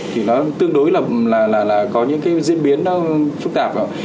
thì nó tương đối là có những diễn biến phức tạp